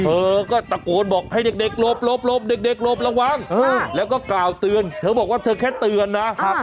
เธอก็ตะโกนบอกให้เด็กหลบเด็กหลบระวังแล้วก็กล่าวเตือนเธอบอกว่าเธอแค่เตือนนะ